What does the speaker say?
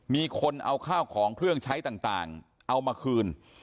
มีคนเอาข้าวของเครื่องใช้ต่างเอามาคืน